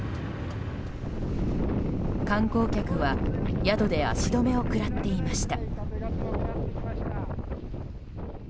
観光客は宿で足止めを食らっていました。